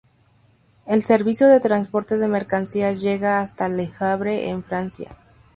El servicio de transporte de mercancías llega hasta Le Havre en Francia.